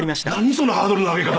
そのハードルの上げ方。